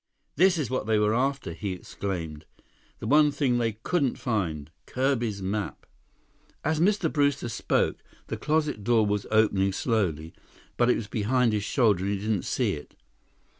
"This is what they were after!" he exclaimed. "The one thing they couldn't find! Kirby's map!" As Mr. Brewster spoke, the closet door was opening slowly, but it was behind his shoulder and he didn't see it.